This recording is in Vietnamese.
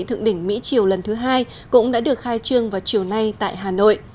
thượng đỉnh mỹ triều lần thứ hai cũng đã được khai trương vào chiều nay tại hà nội